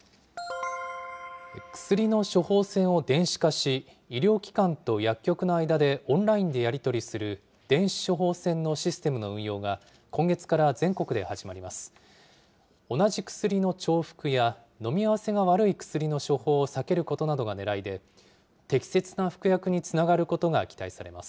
薬の処方箋を電子化し、医療機関と薬局の間でオンラインでやり取りする電子処方箋のシステムの運用が、今月から全国で始まります。